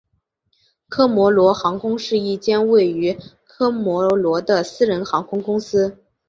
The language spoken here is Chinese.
科摩罗航空是一间位于科摩罗的私人航空公司。